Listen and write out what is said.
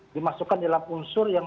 dimasukkan dalam unsur yang